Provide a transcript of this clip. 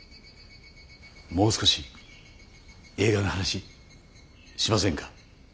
もう少し映画の話しませんか。